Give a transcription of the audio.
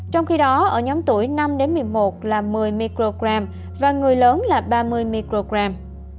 trong khi đó ở nhóm tuổi năm một mươi một là một mươi microgram và người lớn là ba mươi microgram